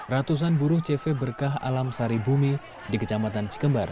ratusan buruh cv berkah alam sari bumi di kecamatan cikembar